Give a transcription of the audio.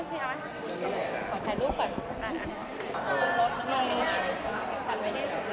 ขอบคุณครับ